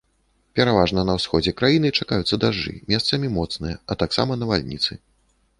Пераважна на ўсходзе краіны чакаюцца дажджы, месцамі моцныя, а таксама навальніцы.